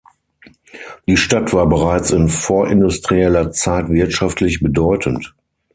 Die Stadt war bereits in vorindustrieller Zeit wirtschaftlich bedeutend.